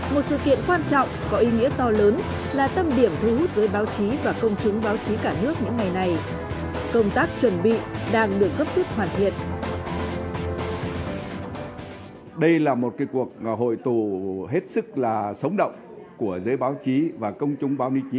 một sự kiện quan trọng có ý nghĩa to lớn là tâm điểm thú giữa báo chí và công chúng báo chí